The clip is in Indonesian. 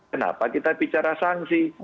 kenapa kita bicara sanksi